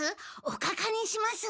おかかにします？